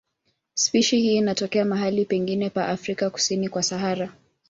Spishi hii inatokea mahali pengi pa Afrika kusini kwa Sahara.